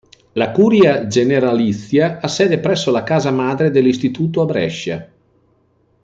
La curia generalizia ha sede presso la casa madre dell'istituto, a Brescia.